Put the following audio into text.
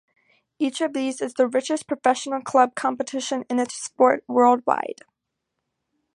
Each of these is the richest professional club competition in its sport worldwide.